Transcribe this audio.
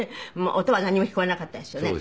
音はなんにも聞こえなかったですよね。